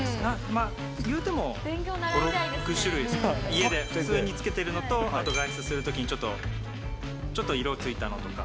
まあ、いうてもこれ１種類、家で普通につけてるのと、あと外出のときにちょっと、ちょっと色ついたのとか。